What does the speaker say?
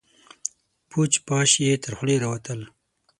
پوچ، پاش يې تر خولې راوتل.